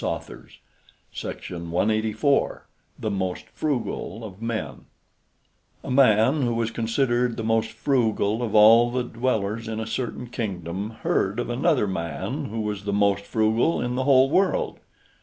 CHINESE STORIES THE MOST FRUGAL OF MEN A man who was considered the most frugal of all the dwellers in a certain kingdom heard of another man who was the most frugal in the whole world.